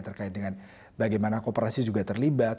terkait dengan bagaimana kooperasi juga terlibat